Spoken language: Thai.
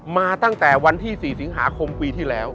มาตั้งแต่วันที่๔สิงหาคมปีที่แล้ว